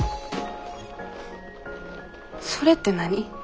それって何？